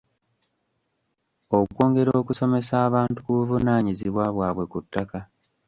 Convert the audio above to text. Okwongera okusomesa abantu ku buvunaanyizibwa bwabwe ku ttaka.